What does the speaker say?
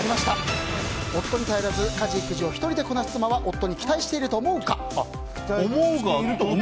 夫に頼らず家事・育児を１人でこなす妻は夫に期待していないと思う？